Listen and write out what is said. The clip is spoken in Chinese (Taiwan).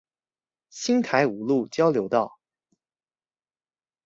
新台五路交流道